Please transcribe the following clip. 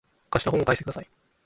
貸した本を返してください